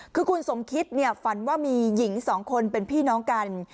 คือคุณสมคิดฝันว่ามีหญิงสองคนเป็นพี่น้องกัน